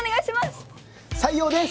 採用です。